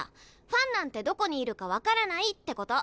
ファンなんてどこにいるか分からないってこと。